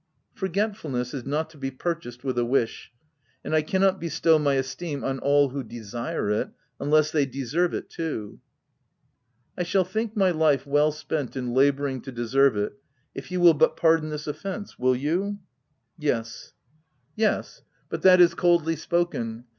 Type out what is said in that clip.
" Forgetfulness is not to be purchased with a wish ; and I cannot bestow my esteem on all who desire it, unless they deserve it too." " I shall think my life well spent in labour ing to deserve it if you will but pardon this offence — Will you ?" "Yes." 328 THE TENANT " Yes ? but that is coldly spoken.